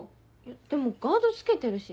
でもガードつけてるし。